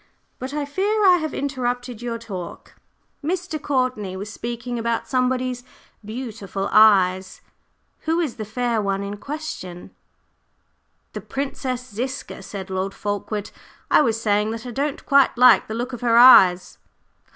But I fear I have interrupted your talk. Mr. Courtney was speaking about somebody's beautiful eyes; who is the fair one in question?" "The Princess Ziska," said Lord Fulkeward. "I was saying that I don't quite like the look of her eyes."